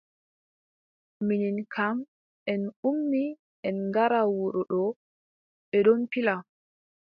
Minin kam en ummi en ngara wuro ɗo. bee ɗon pila.